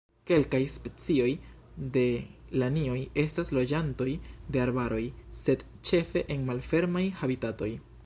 Kelkaj specioj de lanioj estas loĝantoj de arbaroj, sed ĉefe en malfermaj habitatoj.